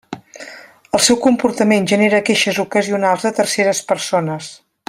El seu comportament genera queixes ocasionals de terceres persones.